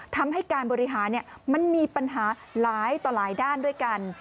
ทำให้การบริหารมันมีปัญหาหลายต่อหลายด้านด้วยกัน